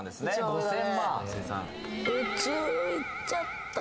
５０００万